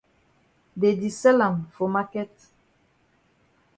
Dey di sell am for maket.